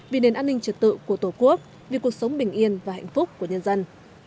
vì nền an ninh trật tự của tổ quốc vì cuộc sống bình yên và hạnh phúc của nhân dân